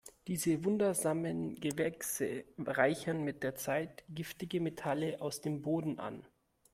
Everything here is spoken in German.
Diese wundersamen Gewächse reichern mit der Zeit giftige Metalle aus dem Boden an.